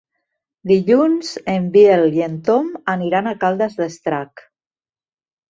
Dilluns en Biel i en Tom aniran a Caldes d'Estrac.